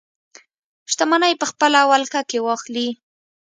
شتمنۍ په خپله ولکه کې واخلي.